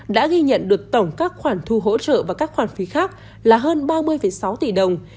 đã ghi nhận được tổng các khoản thu hỗ trợ và các khoản phí khác là hơn ba mươi sáu tỷ đồng